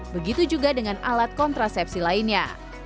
begitu juga dengan alat kontrasepsi lainnya